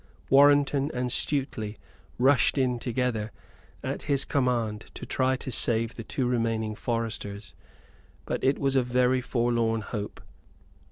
Warrenton and Stuteley rushed in together, at his command, to try to save the two remaining foresters; but it was a very forlorn hope.